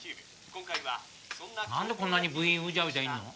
今回は何でこんなに部員うじゃうじゃいんの？